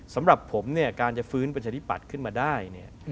สำหรับผมการจะฟื้นปัจจัยที่ปัดขึ้นมาได้